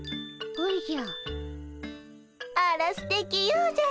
おじゃ。